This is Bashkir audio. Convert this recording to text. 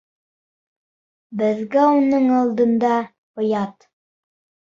Беҙгә уның алдында оят!